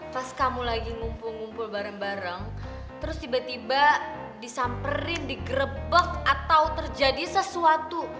pas kamu lagi ngumpul ngumpul bareng bareng terus tiba tiba disamperin digrebek atau terjadi sesuatu